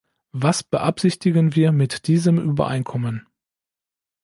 Was beabsichtigen wir mit diesem Übereinkommen?